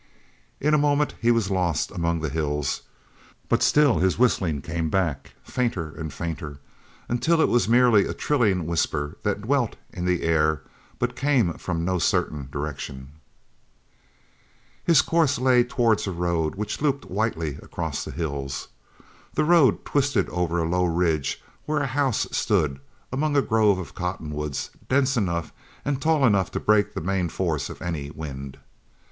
In a moment he was lost among the hills, but still his whistling came back, fainter and fainter, until it was merely a thrilling whisper that dwelt in the air but came from no certain direction. His course lay towards a road which looped whitely across the hills. The road twisted over a low ridge where a house stood among a grove of cottonwoods dense enough and tall enough to break the main force of any wind.